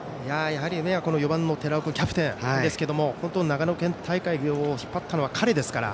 やはり４番の寺尾キャプテンですが本当に長野県大会を引っ張ったのは彼ですから。